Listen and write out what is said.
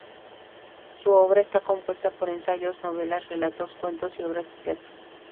Su obra está compuesta por ensayos, novelas, relatos, cuentos y obras de teatro.